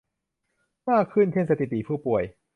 มากขึ้นเช่นสถิติผู้ป่วย